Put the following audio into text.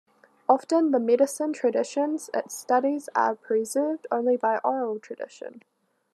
Often, the medicine traditions it studies are preserved only by oral tradition.